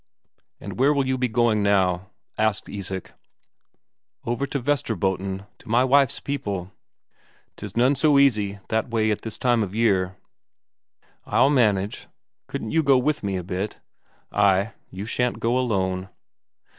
"And where will you be going, now?" asked Isak. "Over to Vesterbotten, to my wife's people." "'Tis none so easy that way at this time of year." "I'll manage. Couldn't you go with me a bit?" "Ay; you shan't go alone."